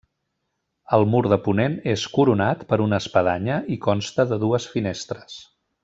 El mur de ponent és coronat per una espadanya i consta de dues finestres.